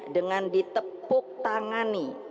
dengan ditepuk tangani